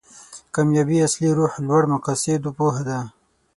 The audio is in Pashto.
کامیابي اصلي روح لوړ مقاصدو پوهه ده.